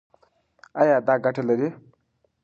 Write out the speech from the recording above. ایا دا ګټه لري؟